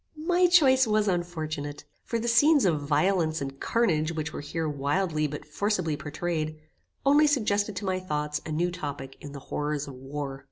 My choice was unfortunate, for the scenes of violence and carnage which were here wildly but forcibly pourtrayed, only suggested to my thoughts a new topic in the horrors of war.